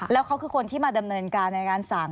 แล้วเขาคือคนที่มาดำเนินการในการสั่ง